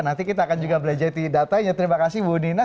nanti kita akan juga belajar di datanya terima kasih bu nina